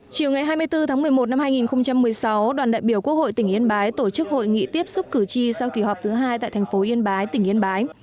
chiều ngày hai mươi bốn tháng một mươi một năm hai nghìn một mươi sáu đoàn đại biểu quốc hội tỉnh yên bái tổ chức hội nghị tiếp xúc cử tri sau kỳ họp thứ hai tại thành phố yên bái tỉnh yên bái